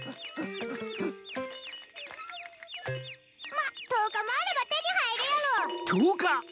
まっ１０日もあれば手に入るやろ。